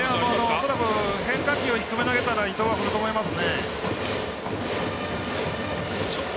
恐らく変化球低め投げたら伊藤は振ると思います。